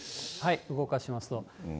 動かしますと。